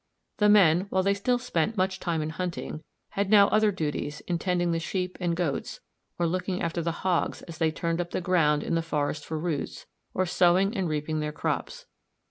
] The men, while they still spent much time in hunting, had now other duties in tending the sheep and goats, or looking after the hogs as they turned up the ground in the forest for roots, or sowing and reaping their crops.